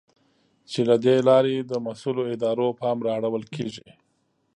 چې له دې لارې د مسؤلو ادارو پام را اړول کېږي.